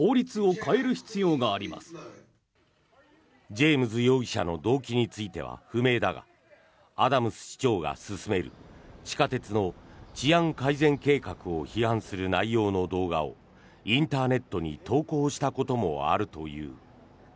ジェームズ容疑者の動機については不明だがアダムス市長が進める地下鉄の治安改善計画を批判する内容の動画をインターネットに投稿したこともあるという。